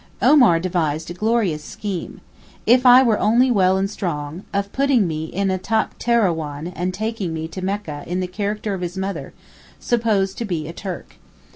Omar devised a glorious scheme, if I were only well and strong, of putting me in a takterrawan and taking me to Mecca in the character of his mother, supposed to be a Turk.